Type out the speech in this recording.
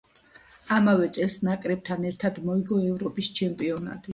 ამავე წელს ნაკრებთან ერთად მოიგო ევროპის ჩემპიონატი.